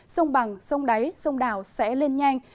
sông bằng sông đáy sông đào sẽ lên nhanh